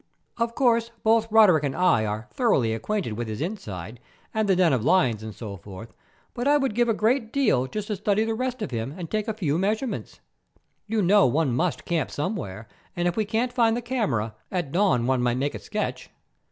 Of course, both Roderick and I are thoroughly acquainted with his inside, and the den of lions, and so forth, but I would give a great deal just to study the rest of him and take a few measurements. You know one must camp somewhere, and if we can't find the camera, at dawn one might make a sketch."